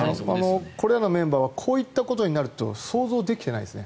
これらのメンバーはこういったことになると想像できてないですね。